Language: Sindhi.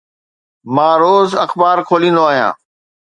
مان روز اخبار کوليندو آهيان.